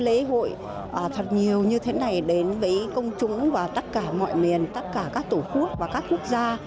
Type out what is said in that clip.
lễ hội thật nhiều như thế này đến với công chúng và tất cả mọi miền tất cả các tổ quốc và các quốc gia